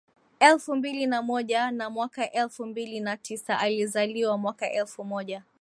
elfu mbili na moja na mwaka elfu mbili na tisaAlizaliwa mwaka elfu moja